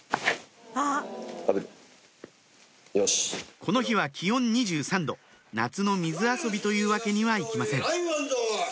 この日は気温２３℃夏の水遊びというわけにはいきません